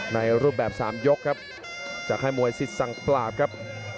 ในรูปแบบ๓ยกครับจากค่ายมวยสิทธิ์สังปราบครับ